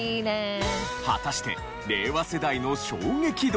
果たして令和世代の衝撃度は？